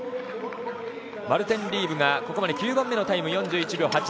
マルテン・リーブがここまで９番目のタイム４１秒８７。